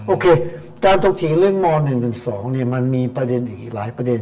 โอเคการถกเถียงเรื่องม๑๑๒มันมีประเด็นอีกหลายประเด็น